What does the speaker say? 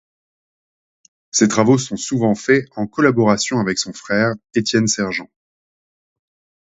Ses travaux sont souvent faits en collaboration avec son frère Étienne Sergent.